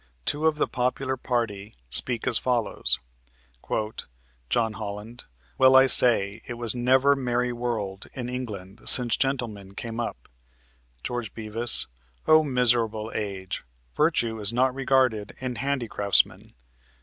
Two of the popular party speak as follows: "John Holland. Well, I say, it was never merry world in England since gentlemen came up. George Bevis. O miserable age! Virtue is not regarded in handicraftsmen.